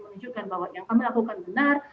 menunjukkan bahwa yang kami lakukan benar